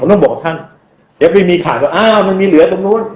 ต้องบอกท่านเดี๋ยวไปมีข่าวว่าอ้าวมันมีเหลือตรงนู้น